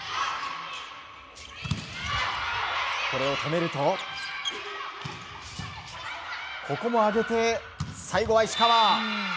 これを止めるとここも上げて、最後は石川。